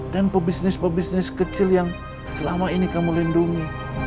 dan pebisnis pebisnis kecil yang selama ini kamu lindungi